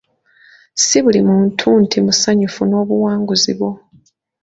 Ssi buli muntu nti musanyufu n'obuwanguzi bwo.